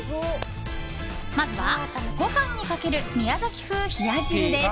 まずはごはんにかける宮崎風冷や汁です。